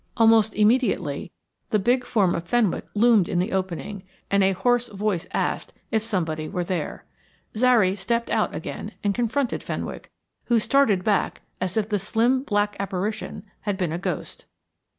Almost immediately the big form of Fenwick loomed in the opening, and a hoarse voice asked if somebody were there. Zary stepped out again and confronted Fenwick, who started back as if the slim black apparition had been a ghost.